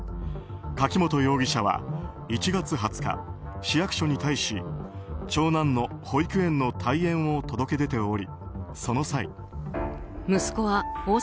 柿本容疑者は１月２０日、市役所に対し長男の保育園の退園を届け出ておりその際。